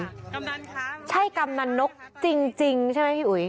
กำนันคะใช่กำนันนกจริงใช่ไหมพี่อุ๋ย